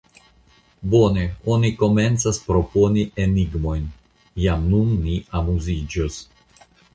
Bone, oni komencas proponi enigmojn: jam nun ni amuziĝos.